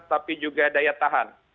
tapi juga daya tahan